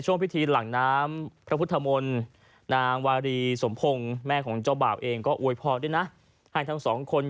ใช่ค่ะว่าเป็นคู่กันสูเมตกัน